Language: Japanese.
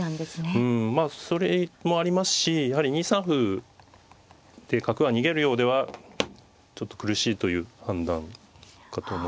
うんまあそれもありますしやはり２三歩打って角が逃げるようではちょっと苦しいという判断かと思います。